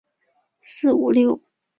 日本关西地区的主要国内线机场。